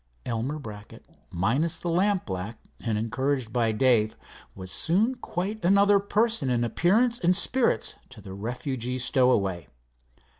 Elmer Brackett, minus the lampblack and encouraged by Dave, was soon quite another person in appearance and spirits to the refugee stowaway.